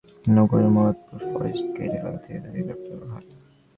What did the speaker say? গতকাল বৃহস্পতিবার সন্ধ্যায় নগরের মুরাদপুর ফরেস্ট গেট এলাকা থেকে তাঁকে গ্রেপ্তার করা হয়।